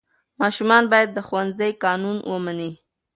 ماشومان باید د ښوونځي قانون ومني.